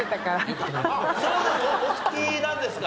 お好きなんですか？